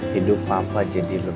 hidup papa jadi lelaki